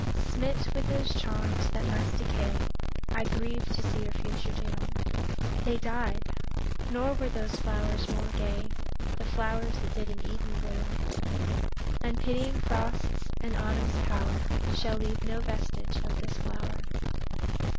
Smit with those charms, that must decay, I grieve to see your future doom; They died nor were those flowers more gay, The flowers that did in Eden bloom; Unpitying frosts and Autumn's power Shall leave no vestige of this flower.